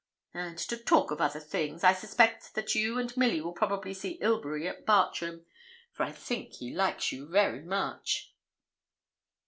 And, to talk of other things, I suspect that you and Milly will probably see Ilbury at Bartram; for I think he likes you very much.'